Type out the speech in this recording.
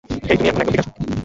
হেই, তুমি এখন একদম ঠিক আছো।